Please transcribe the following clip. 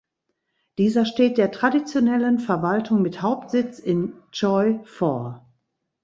Dieser steht der Traditionellen Verwaltung mit Hauptsitz in Choi vor.